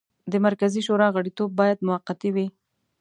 د مرکزي شورا غړیتوب باید موقتي وي.